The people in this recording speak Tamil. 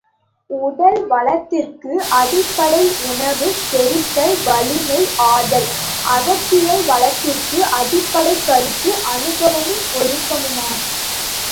உடல் வளத்திற்கு அடிப்படை உணவு, செரித்தல், வலிமை ஆதல் அகத்தியல் வளத்திற்கு அடிப்படைக் கருத்து அனுபவமும், ஒழுக்கமுமாம்.